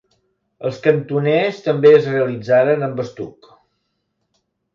Els cantoners també es realitzaren amb estuc.